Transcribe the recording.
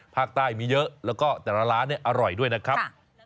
ภาคใต้มีเยอะแล้วก็แต่ละร้านอร่อยด้วยนะครับ